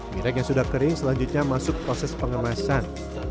mirek yang sudah kering selanjutnya masuk proses pengemasan